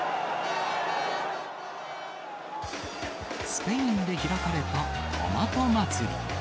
スペインで開かれたトマト祭り。